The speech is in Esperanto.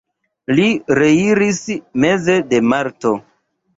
Li reiris meze de marto.